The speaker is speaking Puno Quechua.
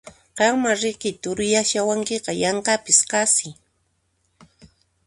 Qanmá riki turiyashawankiqa yanqapis qasi!